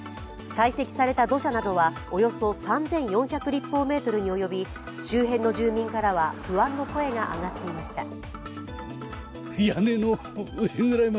堆積された土砂などはおよそ３４００立方メートルに及び周辺の住民からは不安の声が上がっていました。